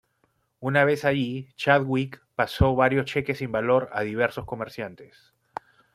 Una vez allí, Chadwick pasó varios cheques sin valor a diversos comerciantes.